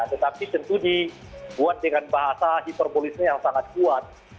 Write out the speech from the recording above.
tetapi tentu dibuat dengan bahasa hiperbolisme yang sangat kuat